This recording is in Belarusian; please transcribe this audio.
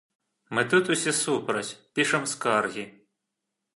Мы тут усе супраць, пішам скаргі.